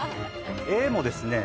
絵もですね